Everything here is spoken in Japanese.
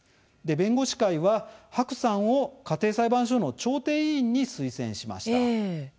弁護士会は白さんを家庭裁判所の調停委員に推薦しました。